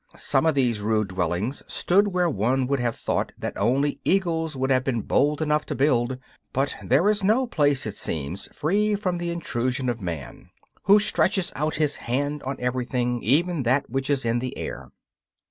Some of these rude dwellings stood where one would have thought that only eagles would have been bold enough to build; but there is no place, it seems, free from the intrusion of Man, who stretches out his hand for everything, even that which is in the air.